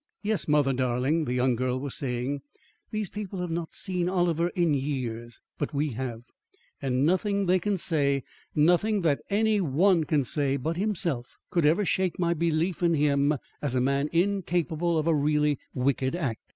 "Yes, mother darling," the young girl was saying. "These people have not seen Oliver in years, but we have, and nothing they can say, nothing that any one can say but himself could ever shake my belief in him as a man incapable of a really wicked act.